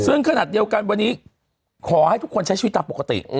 ซึ่งขนาดเดียวกันวันนี้ขอให้ทุกคนใช้ชีวิตตามปกติ